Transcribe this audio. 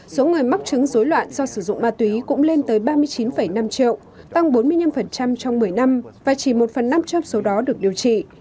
số người mắc chứng dối loạn do sử dụng ma túy cũng lên tới ba mươi chín năm triệu tăng bốn mươi năm trong một mươi năm và chỉ một phần năm trong số đó được điều trị